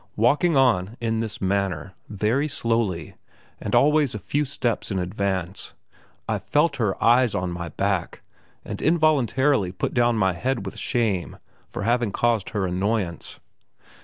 Walking on in this manner very slowly, and always a few steps in advance I felt her eyes on my back, and involuntarily put down my head with shame for having caused her annoyance.